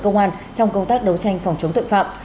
công an trong công tác đấu tranh phòng chống tội phạm